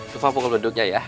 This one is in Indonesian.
tufaila pukul beduknya ya